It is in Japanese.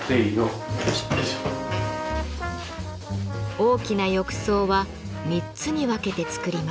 大きな浴槽は３つに分けて作ります。